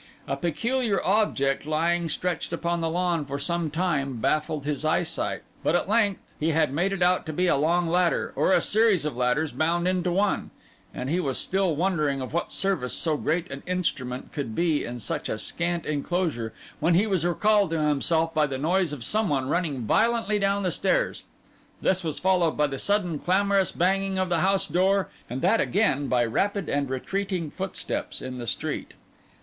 A peculiar object lying stretched upon the lawn for some time baffled his eyesight; but at length he had made it out to be a long ladder, or series of ladders bound into one; and he was still wondering of what service so great an instrument could be in such a scant enclosure, when he was recalled to himself by the noise of some one running violently down the stairs. This was followed by the sudden, clamorous banging of the house door; and that again, by rapid and retreating footsteps in the street.